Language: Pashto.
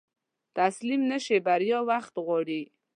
تسليم نشې، بريا وخت غواړي.